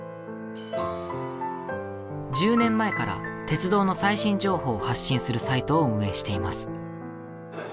１０年前から鉄道の最新情報を発信するサイトを運営しています。